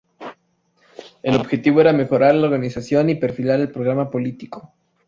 El objetivo era mejorar la organización y perfilar el programa político.